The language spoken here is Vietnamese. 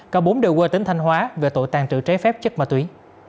cả bốn đều qua tính thanh hóa về tội tàn trự trái phép chất ma túy